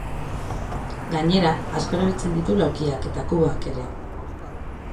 Gainera, asko erabiltzen ditu laukiak eta kuboak ere.